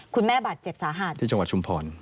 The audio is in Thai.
คุณแม่บาดเจ็บสาหัสที่จังหวัดชุมพร